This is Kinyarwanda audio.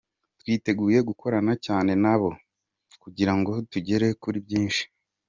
Twiteguye gukorana cyane nabo kugira ngo tugere kuri byinshi.